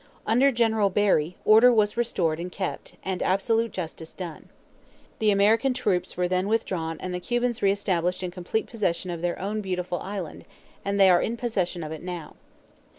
Under General Barry, order was restored and kept, and absolute justice done. The American troops were then withdrawn and the Cubans reestablished in complete possession of their own beautiful island, and they are in possession of it now.